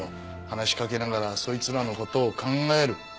話しかけながらそいつらの事を考える。